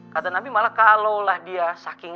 kata nabi malah kalaulah dia saking